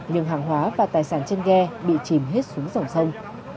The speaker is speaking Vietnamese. nhưng hàng hóa và tài sản trên ghe bị chìm hết xuống dòng sông